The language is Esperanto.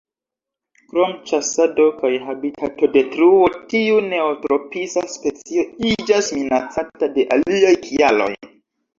Krom ĉasado kaj habitatodetruo, tiu neotropisa specio iĝas minacata de aliaj kialoj.